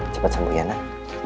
cepet sembuh ya nak